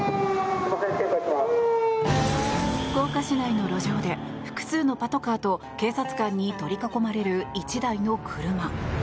福岡市内の路上で複数のパトカーと警察官に取り囲まれる１台の車。